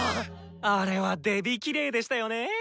あれはデビキレイでしたよねー。